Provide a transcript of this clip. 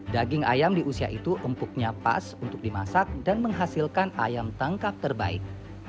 daging ayam di usia itu empuknya pas untuk dimasak dan menghasilkan ayam tangkap terbaik